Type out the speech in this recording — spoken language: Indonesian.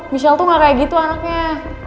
michelle tuh gak kayak gitu anaknya